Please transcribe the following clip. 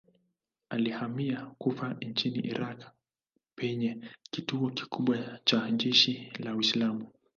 Alihamia Kufa nchini Irak penye kituo kikubwa cha jeshi la Uislamu.